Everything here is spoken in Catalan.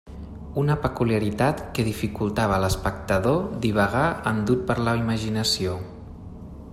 Una peculiaritat que dificultava a l'espectador divagar endut per la imaginació.